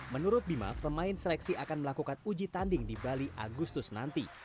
menurut bima pemain seleksi akan melakukan uji tanding di bali agustus nanti